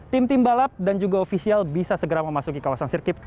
tim tim balap dan juga ofisial bisa segera memasuki kawasan sirkuit